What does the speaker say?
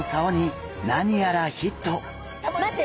待って！